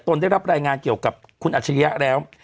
ได้รับรายงานเกี่ยวกับคุณอัชริยะแล้ว